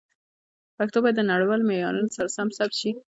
پښتو باید د نړیوالو معیارونو سره سم ثبت شي.